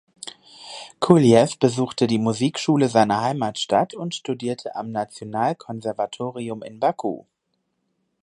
Quliyev besuchte die Musikschule seiner Heimatstadt und studierte am Nationalkonservatorium in Baku.